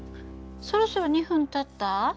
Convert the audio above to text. そろそろ２分たった？